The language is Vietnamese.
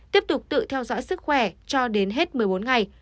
tiếp tục tự theo dõi sức khỏe cho đến hết một mươi bốn ngày